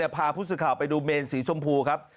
พาผู้สื่อข่าวไปดูเมนสีชมพูครับ